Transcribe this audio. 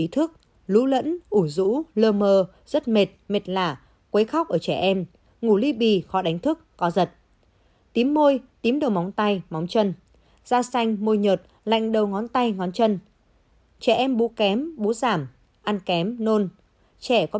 thay đổi ý thức